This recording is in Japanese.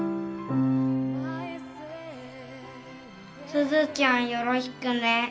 すずちゃんよろしくね。